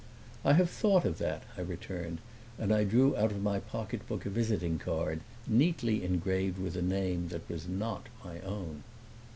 "I have thought of that," I returned; and I drew out of my pocketbook a visiting card, neatly engraved with a name that was not my own.